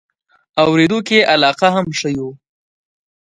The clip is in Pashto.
اورېدو کې یې علاقه هم ښیو.